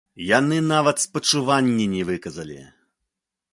Яны нават спачуванні не выказалі!